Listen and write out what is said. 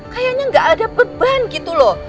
kayaknya nggak ada beban gitu loh